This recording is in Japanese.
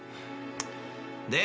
で？